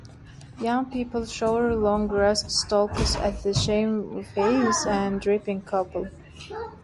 Young people shower long grass stalks at the shamefaced and dripping couple.